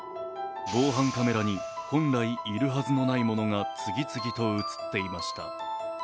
防犯カメラに本来いるはずのないものが次々と映っていました。